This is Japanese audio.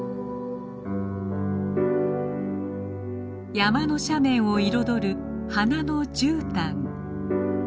山の斜面を彩る花のじゅうたん。